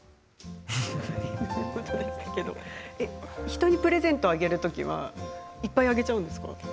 人にプレゼントあげるときはいっぱいあげちゃうんですか？